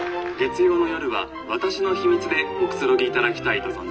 月曜の夜は『私の秘密』でおくつろぎいただきたいと」。